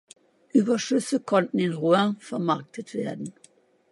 Überschüsse konnten in Rouen vermarktet werden.